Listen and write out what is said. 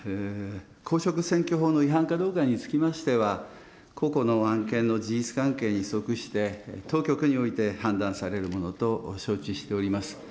公職選挙法の違反かどうかにつきましては、個々の案件の事実関係に即して、当局において判断されるものと承知しております。